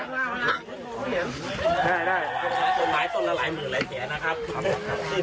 แล้วมันมีเหลืออะไรไม่ล่ะ